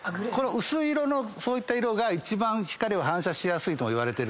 薄い色のそういった色が一番光を反射しやすいといわれてる。